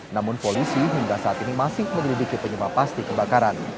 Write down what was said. namun polisi hingga saat ini masih menyelidiki penyebab pasti kebakaran